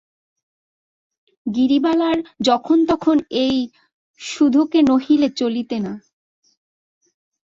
গিরিবালার যখন তখন এই সুধোকে নহিলে চলিত না।